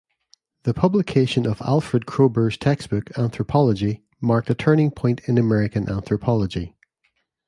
The publication of Alfred Kroeber's textbook, "Anthropology," marked a turning point in American anthropology.